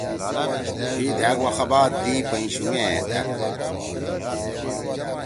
بھی دھأک وخا باد دیئی پئں شُومے أپ۔